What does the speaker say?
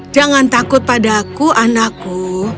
jangan takut padaku anakku